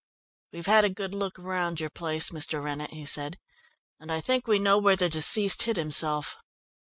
"We've had a good look round your place, Mr. Rennett," he said, "and I think we know where the deceased hid himself."